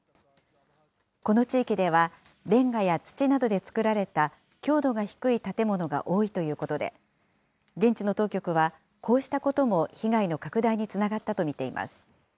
この地域では、れんがや土などでつくられた強度が低い建物が多いということで、現地の当局は、こうしたことも被害の拡大につながったと見ています。